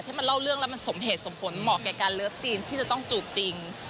ถ้ามันเล่าเรื่องแล้วมันสมเหตุสมผลเหมาะแก่การเลิฟซีนที่จะต้องจูบจริง